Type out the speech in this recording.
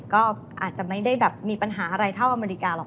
ก็อาจจะไม่ได้แบบมีปัญหาอะไรเท่าอเมริกาหรอก